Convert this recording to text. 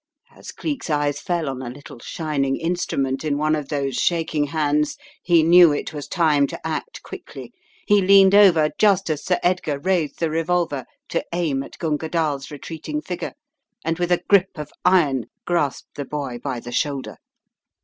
As Cleek's eyes fell on a little shining instrument in one of those shaking hands, he knew it was time to act quickly. He leaned over just as Sir Edgar raised the revolver to aim at Gunga DalTs retreating figure and with a grip of iron grasped the boy by the shoulder.